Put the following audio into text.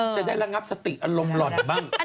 จะได้ระงับสติอารมณ์หล่อนบ้าง